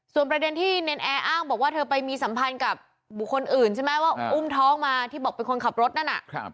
ส่วนประเด็นที่เนรนแอร์อ้างบอกว่าเธอไปมีสัมพันธ์กับบุคคลอื่นใช่ไหมว่าอุ้มท้องมาที่บอกเป็นคนขับรถนั่นน่ะ